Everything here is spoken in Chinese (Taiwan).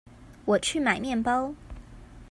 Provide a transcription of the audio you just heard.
我去買麵包